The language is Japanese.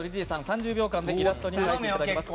３０秒間でイラストを描いていただきます。